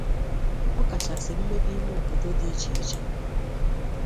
ọkachasị mmepe ime obodo dị iche iche.